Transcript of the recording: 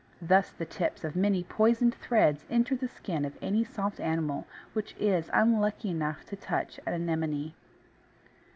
Thus the tips of many poisoned threads enter the skin of any soft animal which is unlucky enough to touch an Anemone.